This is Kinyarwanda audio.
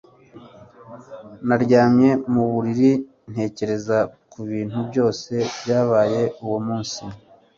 naryamye mu buriri ntekereza ku bintu byose byabaye uwo munsi